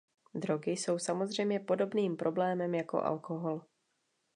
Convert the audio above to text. Drogy jsou samozřejmě podobným problémem jako alkohol.